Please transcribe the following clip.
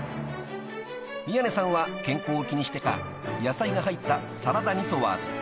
［宮根さんは健康を気にしてか野菜が入ったサラダニソワーズ］